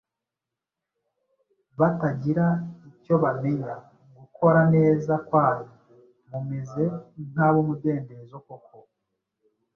batagira icyo bamenya, gukora neza kwanyu: mumeze nk’ab’umudendezo koko